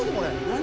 「何？